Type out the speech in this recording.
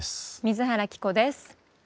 水原希子です。